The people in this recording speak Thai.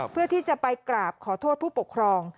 เพื่อที่จะไปกราบขอโทษผู้ปกครอง